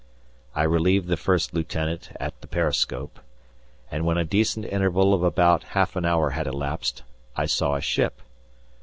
I relieved the First Lieutenant at the periscope, and when a decent interval of about half an hour had elapsed I saw a ship.